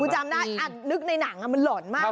จำได้นึกในหนังมันหล่อนมาก